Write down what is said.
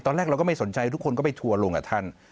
ตอนแรกเราก็ไม่สนใจทุกคนก็ไปทัวร์ลงกับท่าน